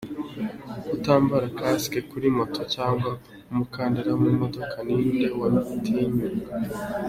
Kutambara kasike kuri moto cyangwa umukandara mu modoka, ni nde wabitinyuka!?.